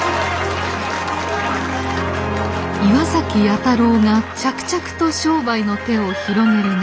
岩崎弥太郎が着々と商売の手を広げる中。